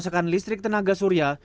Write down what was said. pemerintah memasakkan listrik tenaga surya